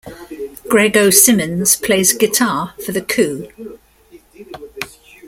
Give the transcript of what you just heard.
Grego Simmons plays guitar for The Coup.